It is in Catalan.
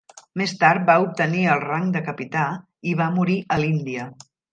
Més tard va obtenir el rang de capità i va morir a l'Índia.